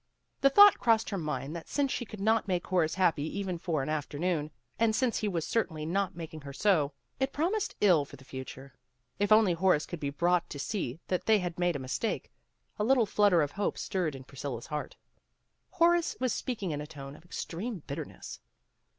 The thought crossed her mind that since she could not make Horace happy even for an after noon, and since he was certainly not making her so, it promised ill for the future. If only Horace could be brought to see that they had made a mistake. A little flutter of hope stirred in Priscilla 's heart. Horace was speaking in a tone of extreme bitterness.